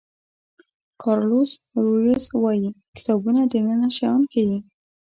کارلوس رویز وایي کتابونه دننه شیان ښیي.